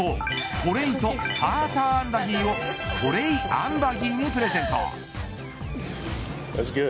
トレイとサーターアンダギーをトライ・アンバギーにプレゼント。